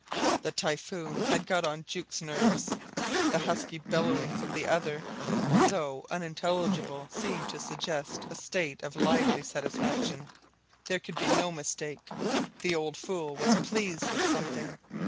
The typhoon had got on Jukes' nerves. The husky bellowings of the other, though unintelligible, seemed to suggest a state of lively satisfaction. There could be no mistake. The old fool was pleased with something.